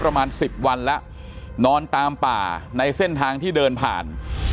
ประมาณสิบวันแล้วนอนตามป่าในเส้นทางที่เดินผ่าน